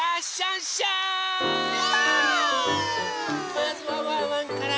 まずはワンワンから。